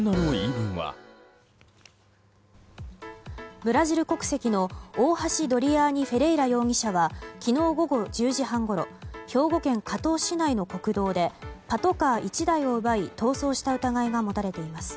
ブラジル国籍のオオハシ・ドリアーニ・フェレイラ容疑者は昨日午後１０時半ごろ兵庫県加東市内の国道でパトカー１台を奪い逃走した疑いが持たれています。